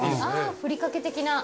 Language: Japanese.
ふりかけ的な。